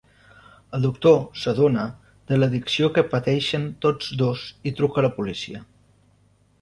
El doctor s'adona de l'addicció que pateixen tots dos i truca la policia.